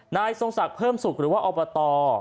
ทรงศักดิ์เพิ่มสุขหรือว่าอบต